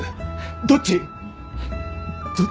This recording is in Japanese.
どっち！？